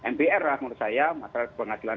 mpr lah menurut saya masyarakat penghasilan